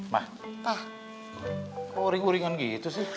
ma kok uring uringan gitu sih